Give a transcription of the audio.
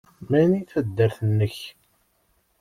Mani taddart-nnek?